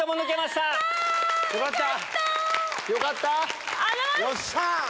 よっしゃ！